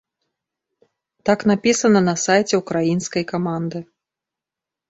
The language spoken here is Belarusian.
Так напісана на сайце ўкраінскай каманды.